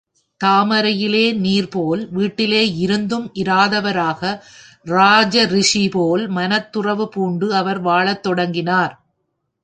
தாமரையிலை நீர்போல், வீட்டிலே இருந்தும் இராதவராக ராஜரிஷிபோல், மனத்துறவு பூண்டு அவர் வாழத் தொடங்கினார்.